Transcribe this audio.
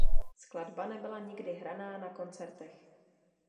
Skladba nebyla nikdy hraná na koncertech.